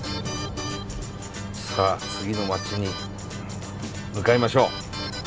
さあ次の街に向かいましょう。